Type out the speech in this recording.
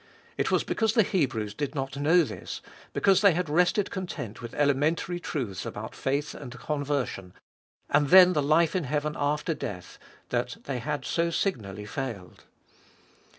It was because the Hebrews did not know this, because they had rested content with elementary truths about faith and conver sion, and then the life in heaven after death, that they had so signally failed.